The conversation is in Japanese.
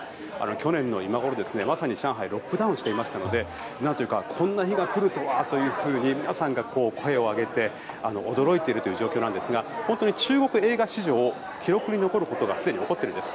去年の今頃まさに上海はロックダウンしていたのでこんな日が来るとはと皆さん声を上げて驚いている状況ですが中国映画史上記録に残ることがすでに起こっているんです。